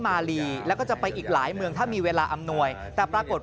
มาลีแล้วก็จะไปอีกหลายเมืองถ้ามีเวลาอำนวยแต่ปรากฏ